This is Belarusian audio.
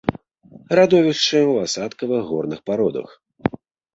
Радовішчы ў асадкавых горных пародах.